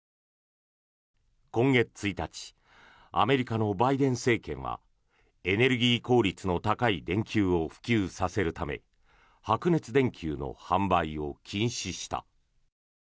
今月１日アメリカのバイデン政権はエネルギー効率の高い電球を普及させるため白熱電球の販売を禁止した。